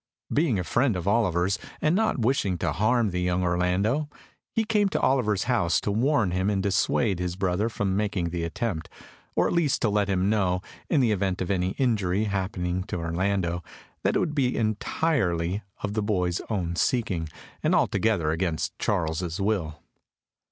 Being a friend of Oliver's, and not wishing to harm the young Orlando, he came to Oliver's house to warn him to dissuade his brother from making the attempt, or at least to let him know, in the event of any injury happening to Orlando, that it would be entirely of the boy's own seeking, and altogether against Charles's will.